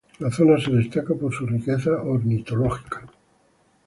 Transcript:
La zona se destaca por su riqueza ornitológica.